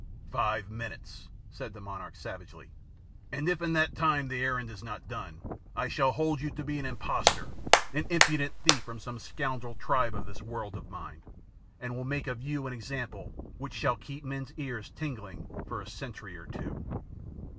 "Five minutes," said the monarch savagely. "And if in that time the errand is not done, I shall hold you to be an impostor, an impudent thief from some scoundrel tribe of this world of mine, and will make of you an example which shall keep men's ears tingling for a century or two."